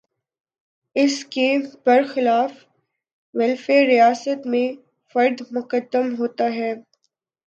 اس کے برخلاف ویلفیئر ریاست میں فرد مقدم ہوتا ہے۔